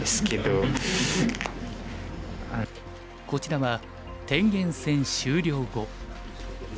こちらは天元戦終了後。